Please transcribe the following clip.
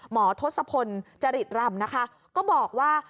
ทศพลจริตรำนะคะก็บอกว่า